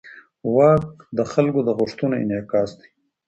واک د خلکو د غوښتنو انعکاس دی.